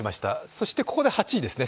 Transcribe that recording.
そしてここで８位ですね。